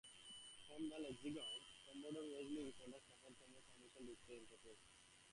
From the "Lexington", Commodore Wesley contacts Starfleet Command for permission to destroy the "Enterprise".